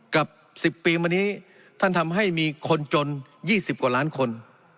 กับ๑๐ปีมานี้ท่านทำให้มีคนจน๒๐กว่าล้านคน